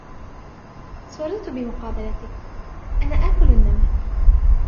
سُررتُ بمقابلتك. أنا آكل النمل.